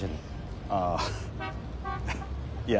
ああいや